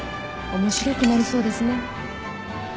面白くなりそうですね。